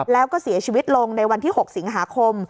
แล้วก็เสียชีวิตลงในวันที่๖สิงหาคม